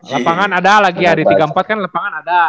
lapangan ada lagi ya di tiga puluh empat kan lapangan ada